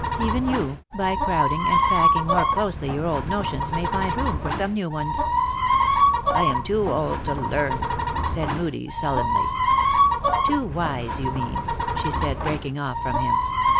Even you, by crowding and packing more closely your old notions, may find room for some new ones. 4 U I am too old to learn," said Moodie, sullenly. " Too wise, you mean," she said, breaking off from him.